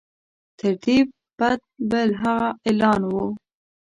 تر دې بد بل هغه اعلان وو.